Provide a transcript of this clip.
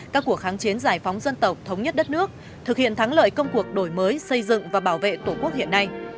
các cuộc kháng chiến giải phóng dân tộc thống nhất đất nước thực hiện thắng lợi công cuộc đổi mới xây dựng và bảo vệ tổ quốc hiện nay